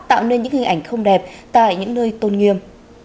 tạo nên những hình ảnh không đẹp tại những nơi tôn nghiêm